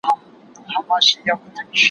نو د دواړو خواوو تول به برابر وي